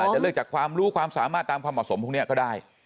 อยวกจะความรู้ความสามารถความเหมาะสมตรงนี้ก็ได้